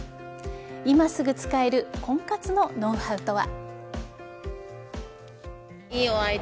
今すぐ使える婚活のノウハウとは。